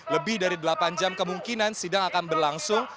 lebih dari delapan jam kemungkinan sidang akan berlangsung